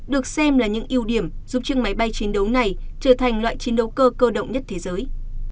được xem là những ưu điểm giúp chiếc máy bay chiến đấu này trở thành loại chiến đấu cơ cơ động nhất thế giới